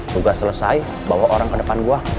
tugas selesai bawa orang ke depan gue